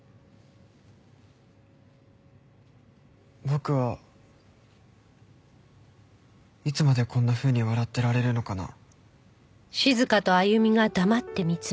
僕はいつまでこんなふうに笑ってられるのかな？